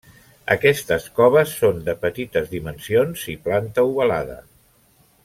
Aquestes coves són de petites dimensions i planta ovalada.